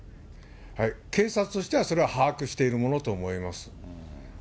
警察としてはそれは把握しているものと思います。